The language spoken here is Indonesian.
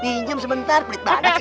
pinjam sebentar pelit banget